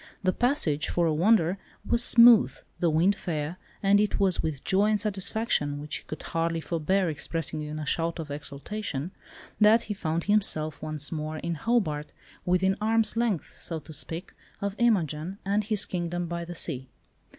The passage, for a wonder, was smooth, the wind fair, and it was with joy and satisfaction, which he could hardly forbear expressing in a shout of exultation, that he found himself once more in Hobart, within arm's length, so to speak, of Imogen and his "kingdom by the sea."